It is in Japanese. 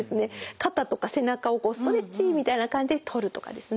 肩とか背中をストレッチみたいな感じで取るとかですね